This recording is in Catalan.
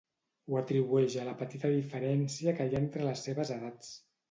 Ho atribueix a la petita diferència que hi ha entre les seves edats.